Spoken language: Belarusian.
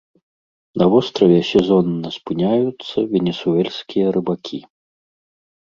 На востраве сезонна спыняюцца венесуэльскія рыбакі.